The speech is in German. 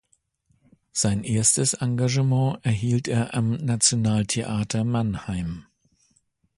Sein erstes Engagement erhielt er am Nationaltheater Mannheim.